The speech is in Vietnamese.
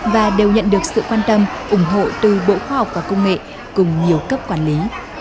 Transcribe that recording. và đều nhận được sự quan tâm ủng hộ từ bộ khoa học và công nghệ cùng nhiều cấp quản lý